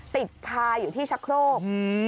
ติดคาอยู่ที่ชะโครก